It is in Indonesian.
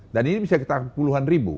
dan ini bisa kita puluhan ribu